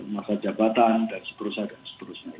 masyarakat jabatan dan sebagainya